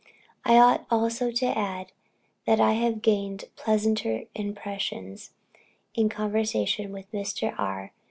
I ought also to add, that I have gained pleasanter impressions in conversation with Mr. R.